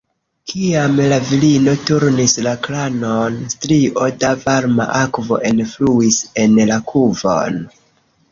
Kiam la virino turnis la kranon, strio da varma akvo enfluis en la kuvon.